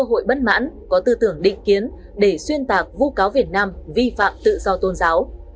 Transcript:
cơ hội bất mãn có tư tưởng định kiến để xuyên tạc vu cáo việt nam vi phạm tự do tôn giáo